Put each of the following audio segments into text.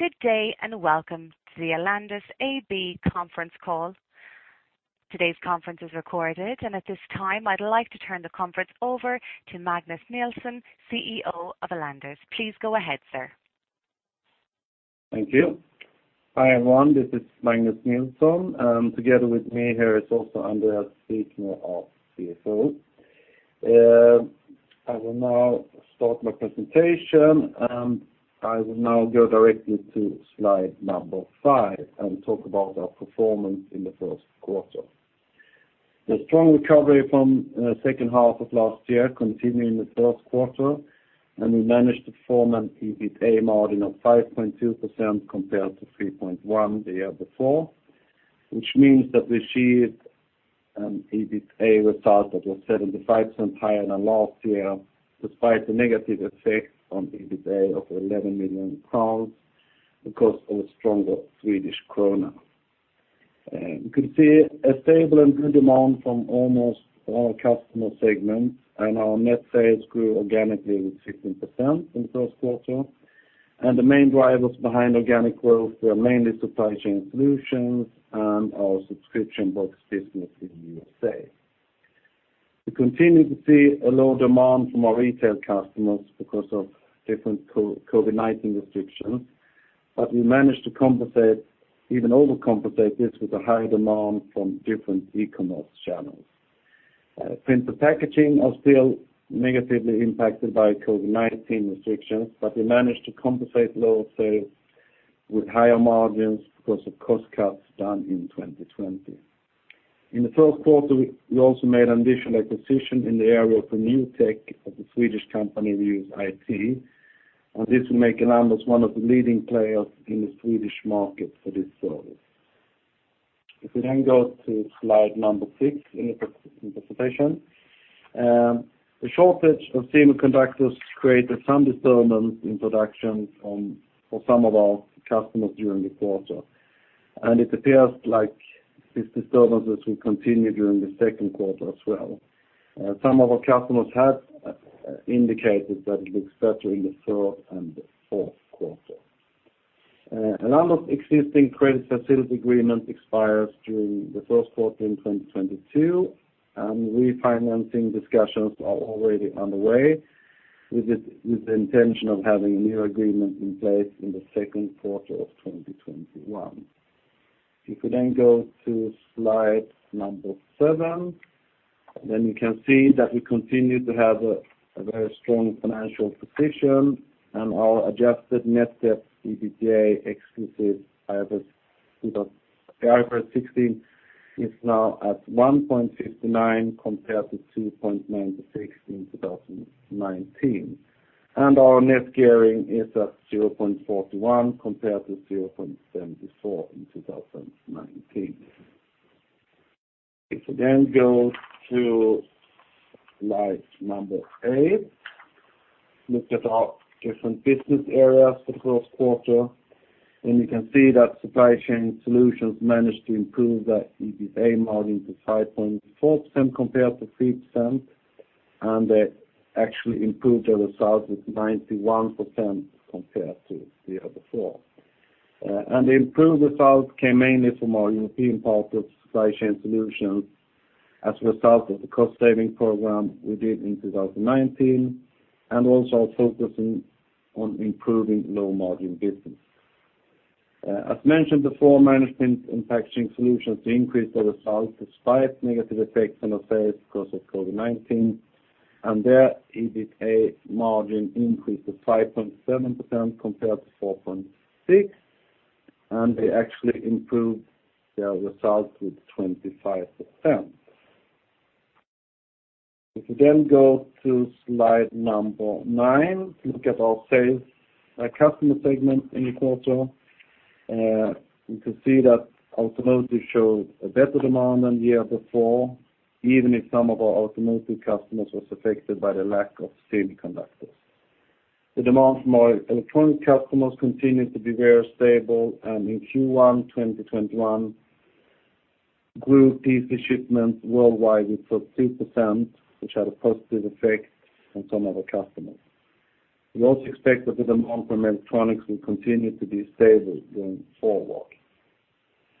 Good day, welcome to the Elanders AB Conference Call. Today's conference is recorded, and at this time, I'd like to turn the conference over to Magnus Nilsson, CEO of Elanders. Please go ahead, sir. Thank you. Hi, everyone. This is Magnus Nilsson. Together with me here is also Andréas Wikner, our CFO. I will now start my presentation, and I will now go directly to slide number 5 and talk about our performance in the Q1. The strong recovery from the second half of last year continued in the Q1, and we managed to form an EBITDA margin of 5.2% compared to 3.1% the year before. Which means that we achieved an EBITDA result that was 75% higher than last year, despite the negative effect on EBITDA of 11 million crowns because of a stronger Swedish krona. You could see a stable and good demand from almost all customer segments, our net sales grew organically with 16% in the Q1. The main drivers behind organic growth were mainly Supply Chain Solutions and our subscription box business in the USA. We continue to see a low demand from our retail customers because of different COVID-19 restrictions, but we managed to compensate, even overcompensate this with a high demand from different e-commerce channels. Print and Packaging are still negatively impacted by COVID-19 restrictions, but we managed to compensate low sales with higher margins because of cost cuts done in 2020. In the Q1, we also made an additional acquisition in the area of Renewed Tech of the Swedish company ReuseIT, and this will make Elanders one of the leading players in the Swedish market for this service. If we go to slide number six in the presentation. The shortage of semiconductors created some disturbance in production for some of our customers during the quarter, and it appears like these disturbances will continue during the Q2 as well. Some of our customers have indicated that it looks better in the Q3 and Q4. Elanders' existing credit facility agreement expires during the Q1 in 2022. Refinancing discussions are already underway with the intention of having a new agreement in place in the Q2 of 2021. We then go to slide 7, you can see that we continue to have a very strong financial position and our adjusted net debt EBITDA excluding IFRS 16 is now at 1.59 compared to 2.96 in 2019. Our net gearing is at 0.41 compared to 0.74 in 2019. If we then go to slide 8, look at our different business areas for the Q1, and you can see that Supply Chain Solutions managed to improve their EBITDA margin to 5.4% compared to 3%, and they actually improved their results with 91% compared to the year before. The improved results came mainly from our European part of Supply Chain Solutions as a result of the cost-saving program we did in 2019 and also our focusing on improving low-margin business. As mentioned before, Print & Packaging Solutions to increase their results despite negative effects on our sales because of COVID-19 and their EBITDA margin increased to 5.7% compared to 4.6%, and they actually improved their results with 25%. If we then go to slide 9, look at our customer segments in the quarter. You can see that automotive showed a better demand than the year before, even if some of our automotive customers was affected by the lack of semiconductors. The demand from our electronic customers continued to be very stable, and in Q1 2021, grew PC shipments worldwide with 13%, which had a positive effect on some of our customers. We also expect that the demand from electronics will continue to be stable going forward.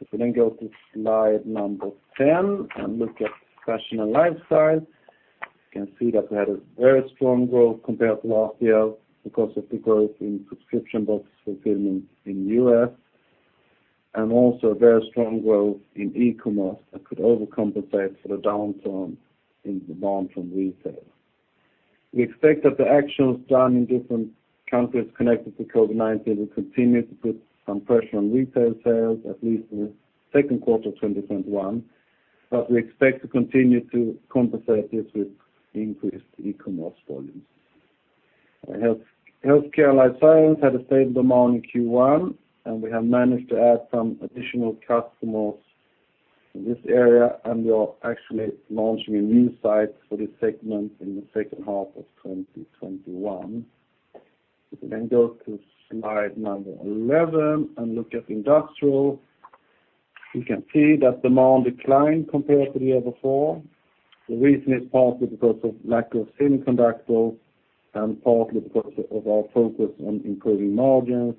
If we then go to slide 10 and look at Fashion & Lifestyle, you can see that we had a very strong growth compared to last year because of the growth in subscription box fulfillment in the U.S. and also very strong growth in e-commerce that could overcompensate for the downturn in demand from retail. We expect that the actions done in different countries connected to COVID-19 will continue to put some pressure on retail sales, at least in the Q2 2021, but we expect to continue to compensate this with increased e-commerce volumes. Healthcare and life science had a stable demand in Q1, and we have managed to add some additional customers in this area, and we are actually launching a new site for this segment in the second half of 2021. If we go to slide number 11 and look at industrial. You can see that demand declined compared to the year before. The reason is partly because of lack of semiconductors and partly because of our focus on improving margins,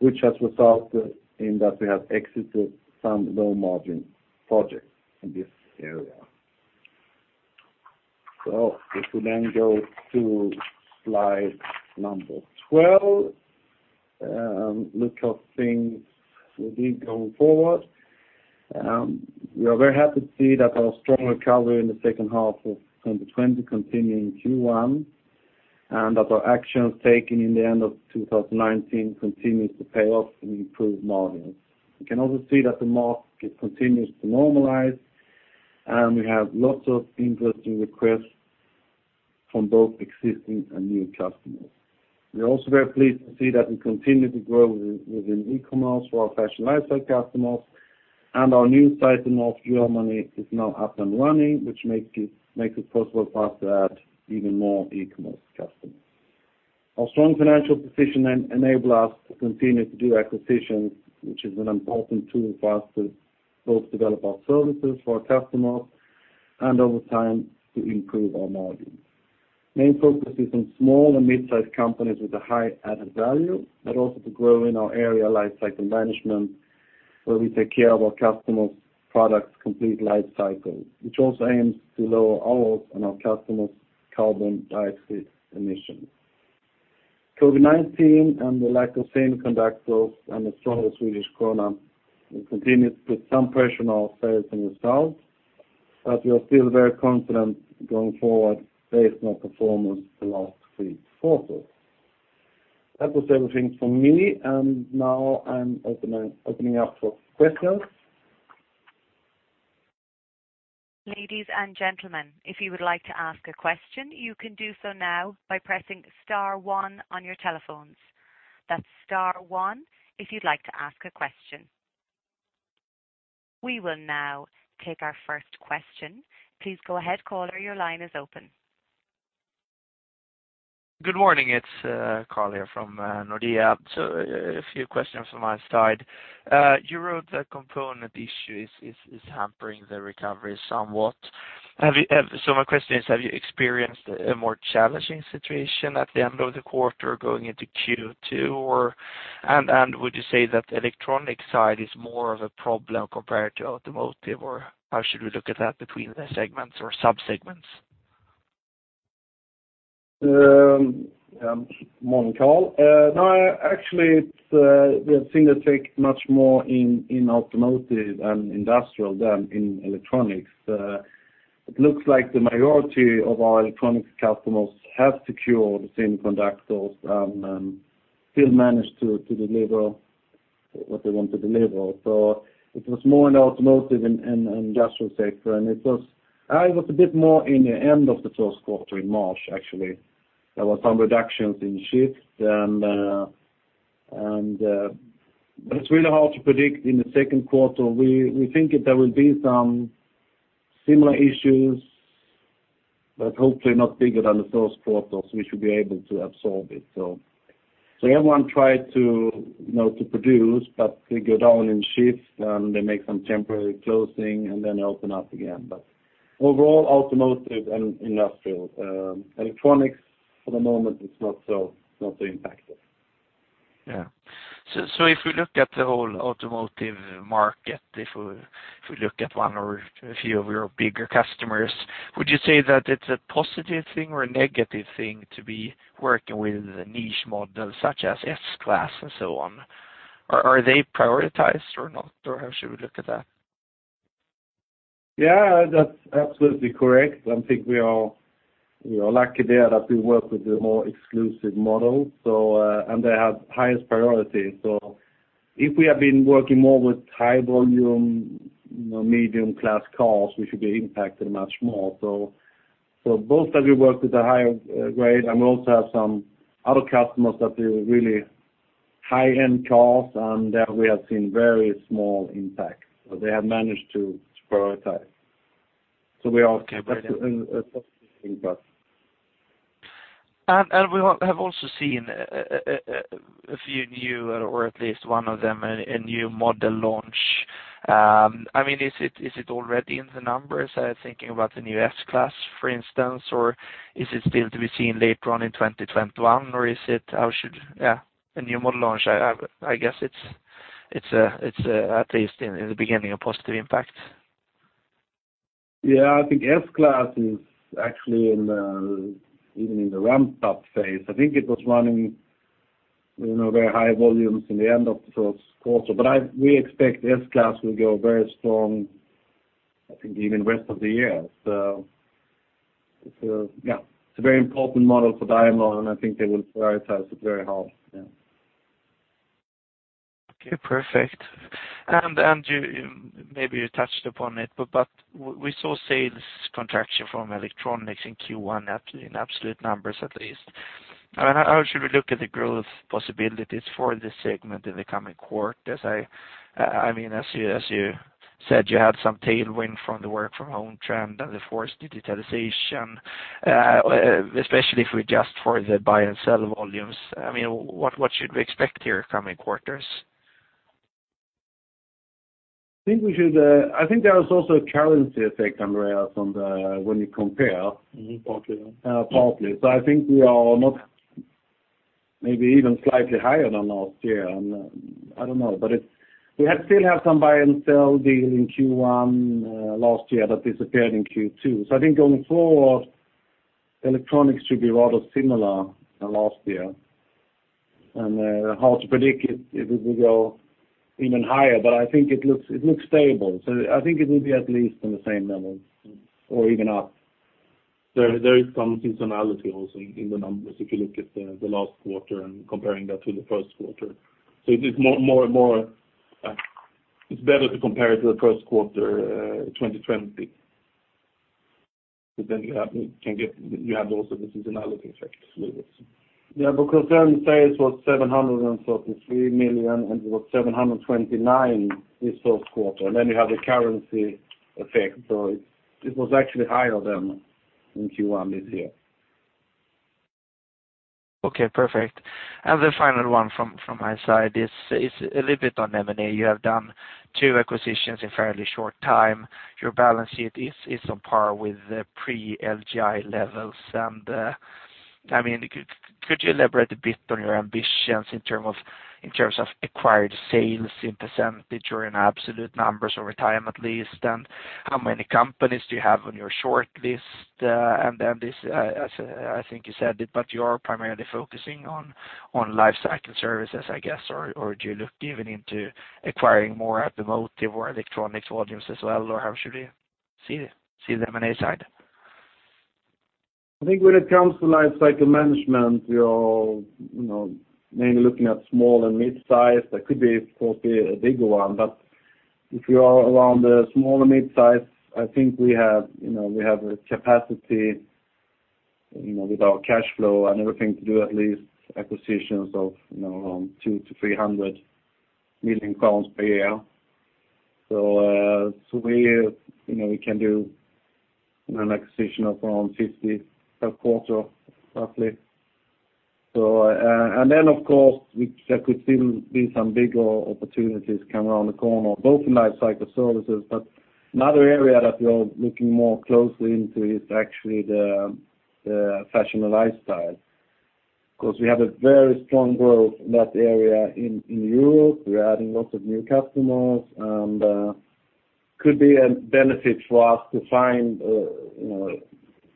which has resulted in that we have exited some low-margin projects in this area. If we go to slide number 12, look how things will be going forward. We are very happy to see that our strong recovery in the second half of 2020 continue in Q1, and that our actions taken in the end of 2019 continues to pay off and improve margins. We can also see that the market continues to normalize, and we have lots of interesting requests from both existing and new customers. We are also very pleased to see that we continue to grow within e-commerce for our Fashion & Lifestyle customers and our new site in North Germany is now up and running, which makes it possible for us to add even more e-commerce customers. Our strong financial position enable us to continue to do acquisitions, which is an important tool for us to both develop our services for our customers, and over time, to improve our margins. Main focus is on small and mid-size companies with a high added value, but also to grow in our area life-cycle management, where we take care of our customers' products' complete life cycle, which also aims to lower ours and our customers' carbon dioxide emissions. COVID-19 and the lack of semiconductors and the stronger SEK will continue to put some pressure on our sales in the South, but we are still very confident going forward based on the performance the last three quarters. That was everything from me, and now I'm opening up for questions. Ladies and gentlemen, if you would like to ask a question, you can do so now by pressing *1 on your telephones. That's *1 if you'd like to ask a question. We will now take our first question. Please go ahead, caller, your line is open. Good morning. It's Carl here from Nordea. A few questions from my side. You wrote the component issue is hampering the recovery somewhat. My question is, have you experienced a more challenging situation at the end of the quarter going into Q2, and would you say that the electronic side is more of a problem compared to automotive, or how should we look at that between the segments or sub-segments? Morning, Carl. No, actually, we have seen that take much more in automotive and industrial than in electronics. It looks like the majority of our electronics customers have secured semiconductors and still managed to deliver what they want to deliver. It was more in the automotive and industrial sector, and it was a bit more in the end of the Q1 in March, actually. There were some reductions in shifts, but it's really hard to predict in the Q2. We think that there will be some similar issues, but hopefully not bigger than the Q1, so we should be able to absorb it. Everyone tried to produce, but they go down in shifts, and they make some temporary closing and then open up again. Overall, automotive and industrial. Electronics, for the moment, it's not so impacted. Yeah. If we look at the whole automotive market, if we look at one or a few of your bigger customers, would you say that it's a positive thing or a negative thing to be working with a niche model such as S-Class and so on? Are they prioritized or not, or how should we look at that? Yeah, that's absolutely correct. I think we are lucky there that we work with the more exclusive models, and they have highest priority. If we have been working more with high volume, medium-class cars, we should be impacted much more. Both that we work with a higher grade and we also have some other customers that they are really high-end cars, and there we have seen very small impact. They have managed to prioritize. We have also seen a few new, or at least one of them, a new model launch. Is it already in the numbers? I am thinking about the new S-Class, for instance, or is it still to be seen later on in 2021? A new model launch, I guess it's at least in the beginning, a positive impact. I think S-Class is actually in the ramp-up phase. I think it was running very high volumes in the end of the Q1. We expect the S-Class will go very strong, I think even rest of the year. It's a very important model for Daimler, and I think they will prioritize it very high. Okay, perfect. Maybe you touched upon it, we saw sales contraction from electronics in Q1 in absolute numbers at least. How should we look at the growth possibilities for this segment in the coming quarters? As you said you had some tailwind from the work from home trend and the forced digitalization, especially if we adjust for the buy and sell volumes. What should we expect here coming quarters? I think there was also a currency effect, Andréas, when you compare. Partly, yes. Partly. I think we are not maybe even slightly higher than last year. I don't know. We still have some buy and sell deal in Q1 last year that disappeared in Q2. I think going forward, electronics should be rather similar to last year, and hard to predict it if it will go even higher, but I think it looks stable. I think it will be at least on the same level or even up. There is some seasonality also in the numbers if you look at the last quarter and comparing that to the Q1. It's better to compare it to the Q1 2020, because then you have also the seasonality effect with it. Yeah, sales was 733 million, and it was 729 this Q1, and then you have the currency effect. It was actually higher than in Q1 this year. Okay, perfect. The final one from my side is a little bit on M&A. You have done two acquisitions in fairly short time. Your balance sheet is on par with the pre-LGI levels. Could you elaborate a bit on your ambitions in terms of acquired sales in % or in absolute numbers over time, at least? How many companies do you have on your short list? This, I think you said it, but you are primarily focusing on life cycle services, I guess, or do you look even into acquiring more automotive or electronics volumes as well, or how should we see the M&A side? I think when it comes to life cycle management, we are maybe looking at small and mid-size. There could be, of course, a bigger one. If you are around the small and mid-size, I think we have a capacity, with our cash flow and everything, to do at least acquisitions of 200 million to 300 million per year. We can do an acquisition of around 50 million per quarter, roughly. Then, of course, there could still be some bigger opportunities come around the corner, both in life cycle services. Another area that we are looking more closely into is actually the fashion and lifestyle. We have a very strong growth in that area in Europe. We are adding lots of new customers, and could be a benefit for us to find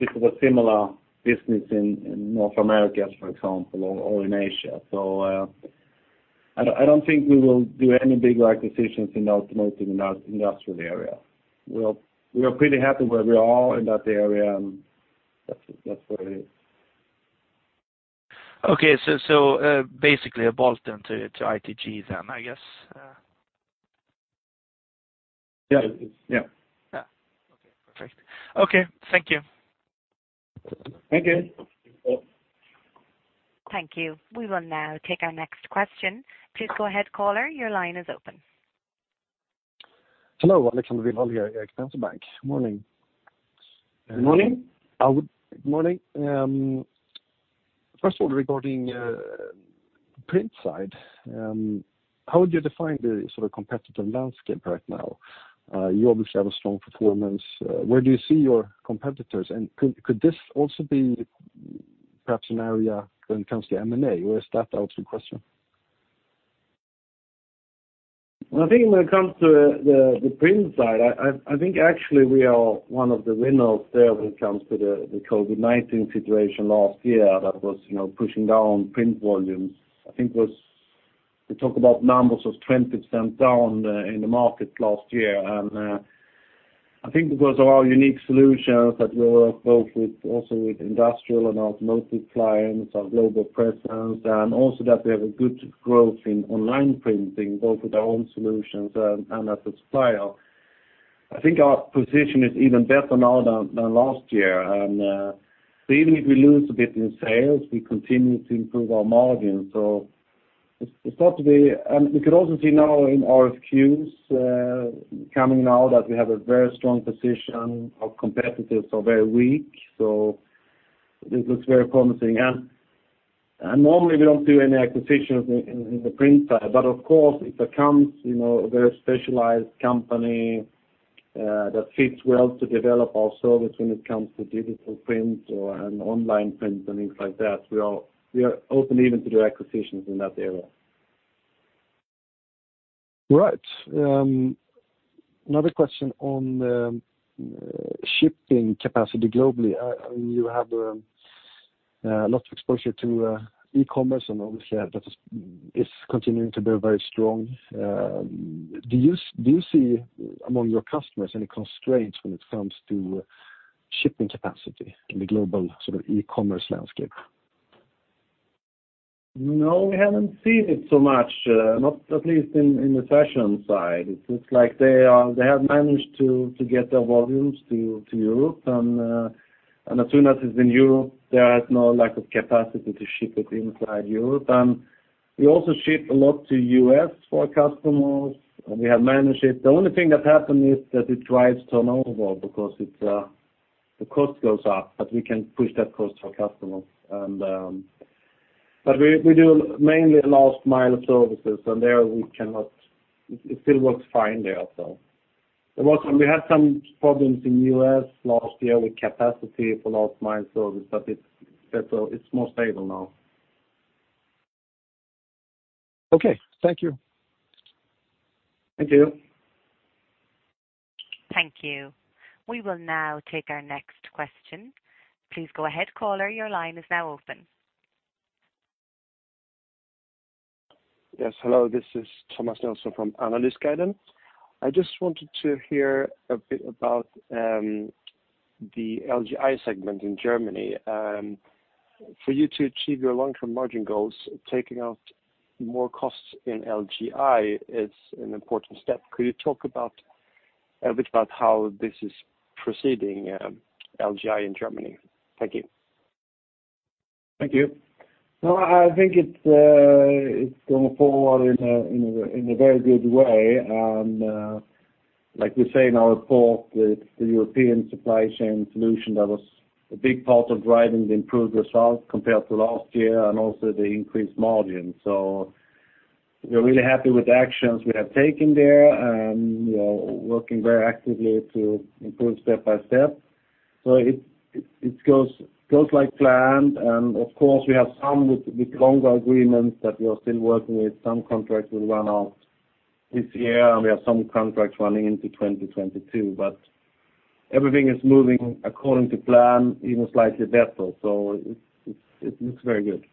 a bit of a similar business in North Americas, for example, or in Asia. I don't think we will do any bigger acquisitions in the automotive and industrial area. We are pretty happy where we are in that area, and that's where it is. Okay. basically a bolt-on to ITG then, I guess. Yeah. Okay, perfect. Okay. Thank you. Thank you. Thank you. We will now take our next question. Please go ahead, caller. Your line is open. Hello. Stefan Aleksander from SEB. Morning. Morning. First of all, regarding Print side, how would you define the competitive landscape right now? You obviously have a strong performance. Where do you see your competitors, and could this also be perhaps an area when it comes to M&A? Where is that out of question? I think when it comes to the print side, I think actually we are one of the winners there when it comes to the COVID-19 situation last year that was pushing down print volumes. I think we talk about numbers of 20% down in the market last year. I think because of our unique solutions that we work both with, also with industrial and automotive clients, our global presence, and also that we have a good growth in online printing, both with our own solutions and as a supplier. I think our position is even better now than last year, and so even if we lose a bit in sales, we continue to improve our margin. We could also see now in RFQs, coming now that we have a very strong position. Our competitors are very weak, so this looks very promising. Normally we don't do any acquisitions in the print side. Of course, if it comes a very specialized company that fits well to develop our service when it comes to digital print or online print and things like that, we are open even to do acquisitions in that area. Right. Another question on shipping capacity globally. You have a lot of exposure to e-commerce, and obviously that is continuing to be very strong. Do you see among your customers any constraints when it comes to shipping capacity in the global e-commerce landscape? No, we haven't seen it so much, not at least in the fashion side. It's like they have managed to get their volumes to Europe, and as soon as it's in Europe, there is no lack of capacity to ship it inside Europe. We also ship a lot to U.S. for our customers, and we have managed it. The only thing that happened is that it drives turnover because the cost goes up, but we can push that cost to our customers. We do mainly last-mile services, and it still works fine there. We had some problems in the U.S. last year with capacity for last mile service, but it's more stable now. Okay. Thank you. Thank you. Thank you. We will now take our next question. Please go ahead, caller. Your line is now open. Yes, hello. This is Thomas Nelson from Analyst Guidance. I just wanted to hear a bit about the LGI segment in Germany. For you to achieve your long-term margin goals, taking out more costs in LGI is an important step. Could you talk a bit about how this is proceeding, LGI in Germany? Thank you. Thank you. I think it's going forward in a very good way. Like we say in our report, the European Supply Chain Solutions, that was a big part of driving the improved results compared to last year and also the increased margin. We're really happy with the actions we have taken there, and we're working very actively to improve step by step. It goes like planned, and of course, we have some with longer agreements that we are still working with. Some contracts will run out this year, and we have some contracts running into 2022. Everything is moving according to plan, even slightly better. It looks very good.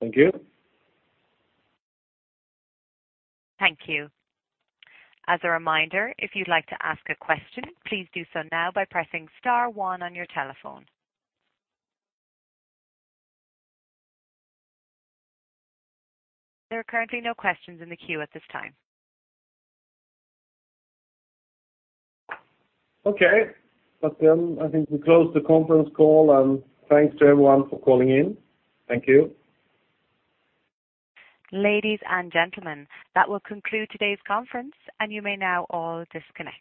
Thank you. Thank you. As a reminder, if you'd like to ask a question, please do so now by pressing *1 on your telephone. There are currently no questions in the queue at this time. Okay. I think we close the conference call and thanks to everyone for calling in. Thank you. Ladies and gentlemen, that will conclude today's conference, and you may now all disconnect.